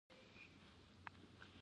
بډای له غریب خبر وي.